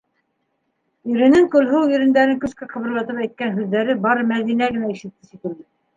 - Иренең көлһыу ирендәрен көскә ҡыбырлатып әйткән һүҙҙәрен бары Мәҙинә генә ишетте шикелле.